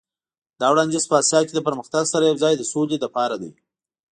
دا وړاندیز په اسیا کې له پرمختګ سره یو ځای د سولې لپاره دی.